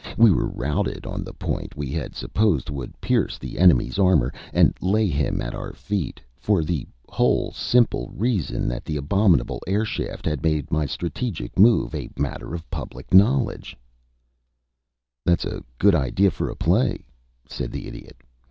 We were routed on the point we had supposed would pierce the enemy's armor and lay him at our feet, for the wholly simple reason that that abominable air shaft had made my strategic move a matter of public knowledge." [Illustration: "MY ELOQUENCE FLOATED UP THE AIR SHAFT"] "That's a good idea for a play," said the Idiot.